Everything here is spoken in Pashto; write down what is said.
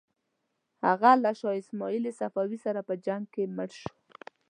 هغه له شاه اسماعیل صفوي سره په جنګ کې مړ شو.